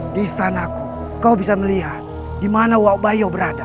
di istanaku kau bisa melihat di mana wak bayo berada